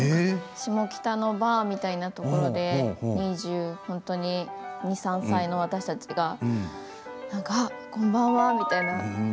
下北のバーみたいなところで２２歳、２３歳ぐらいの私たちがこんばんはみたいな。